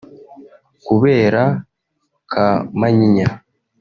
Kubera ka Manyinya